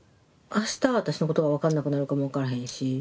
明日私のことが分かんなくなるかも分からへんし。